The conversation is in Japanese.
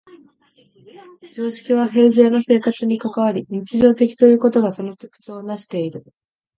常識は平生の生活に関わり、日常的ということがその特徴をなしている。